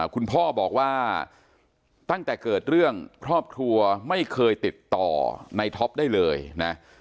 คุณพ่อบอกว่าตั้งแต่เกิดเรื่องครอบครัวไม่เคยติดต่อในท็อปได้เลยนะ